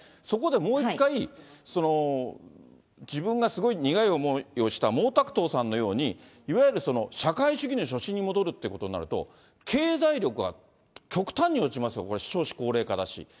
そこでもう一回、自分がすごい苦い思いをした毛沢東さんのように、いわゆる社会主義の初心に戻るってことになると、経済力は極端に落ちますが、これ、少子高齢化だし。